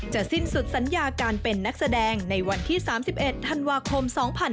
สิ้นสุดสัญญาการเป็นนักแสดงในวันที่๓๑ธันวาคม๒๕๖๒